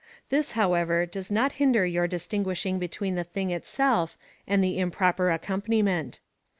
This, however, does not hinder your distinguishing between the thing itself and the improper accompaniment.